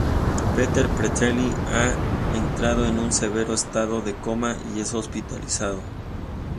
Peter Petrelli ha entrado en un severo estado de coma y es hospitalizado.